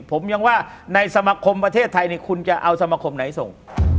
ผมยังว่าในสมาคมประเทศไทยคุณจะเอาสมคมไหนส่ง